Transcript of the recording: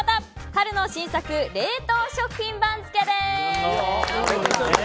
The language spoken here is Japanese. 春の新作冷凍食品番付です！